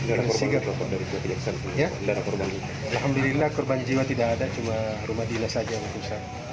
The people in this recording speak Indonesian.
alhamdulillah korban jiwa tidak ada cuma rumah dinas saja yang rusak